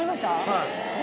はい。